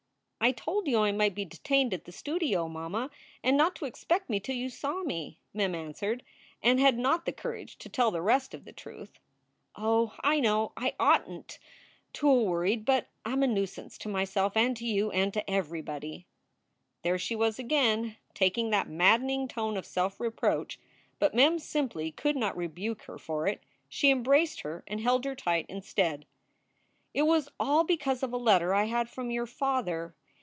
"I told you I might be detained at the studio, mamma, and not to expect me till you saw me," Mem answered, and had not the courage to tell the rest of the truth. "Oh, I know! I oughtn t to a worried, but I m a nuisance to myself and to you and to everybody." There she was again! Taking that maddening tone of self reproach. But Mem simply could not rebuke her for it. She embraced her and held her tight, instead. "It was all because of a letter I had from your father.